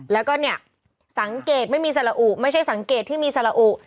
แล้วก็เนี่ยสังเกตไม่มีสละอุไม่ใช่สังเกตที่มีสระอุ